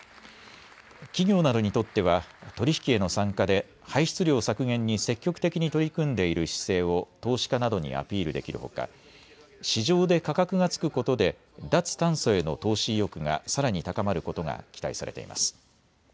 企業などにとっては取り引きへの参加で排出量削減に積極的に取り組んでいる姿勢を投資家などにアピールできるほか市場で価格がつくことで脱炭素への投資意欲がさらに高まることが期待されます。